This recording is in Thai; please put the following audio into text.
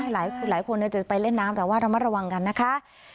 หลายคนจะไปเล่นน้ำแต่ว่าระมัดระวังกันนะคะ